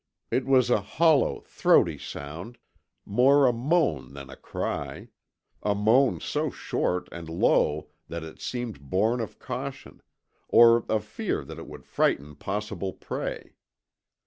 It was a hollow, throaty sound more a moan than a cry; a moan so short and low that it seemed born of caution, or of fear that it would frighten possible prey.